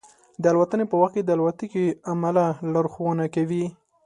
د الوتنې په وخت کې د الوتکې عمله لارښوونه کوي.